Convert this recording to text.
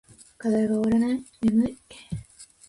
課題が終わらない。眠い。